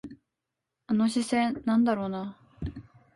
あの視線、なんだろうな。